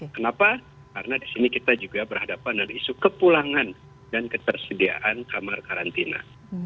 kenapa karena di sini kita juga berhadapan dengan isu kepulangan dan ketersediaan kamar karantina